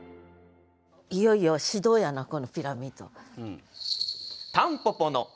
いよいよ始動やなこのピラミッド。